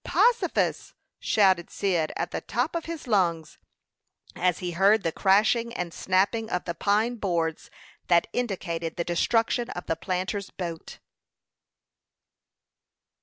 "Possifus!" shouted Cyd, at the top of his lungs, as he heard the crashing and snapping of the pine boards, that indicated the destruction of the planter's boat.